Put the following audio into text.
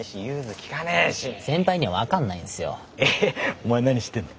お前何知ってんの？